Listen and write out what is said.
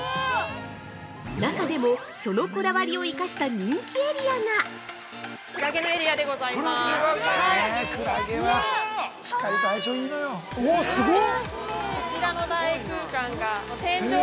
中でも、そのこだわりを生かした人気エリアが◆きのこみたい。